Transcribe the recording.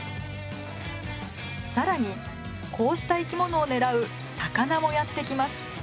更にこうした生き物を狙う魚もやって来ます。